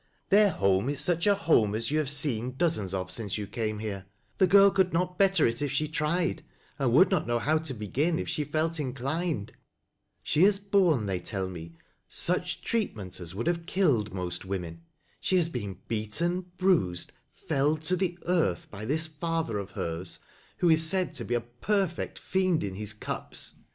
Their home is such a home as you have seen dozens of since you came here ; the girl could not better it if she tried, and would not know how to begin if she felt inclined. She has borne, they tell me, such treat ment as would have killed most women. She has been beaten, bruised, felled to the earth by this father of hei s, who is said to be a perfect fiend in his cups.